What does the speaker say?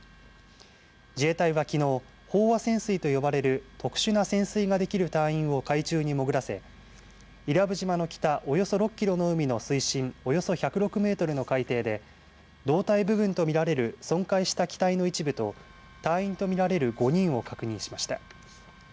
自衛隊はきのう飽和潜水と呼ばれる特殊な潜水ができる隊員を海中に潜らせ伊良部島の北およそ６キロの海の水深およそ１０６メートルの海底で胴体部分と見られる損壊した機体の一部と隊員と見られる５人を確認しました。